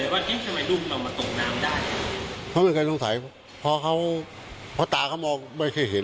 ว่าเอ๊ะทำไมลูกเรามาตกน้ำได้เพราะไม่เคยสงสัยเพราะเขาเพราะตาเขามองไม่เคยเห็น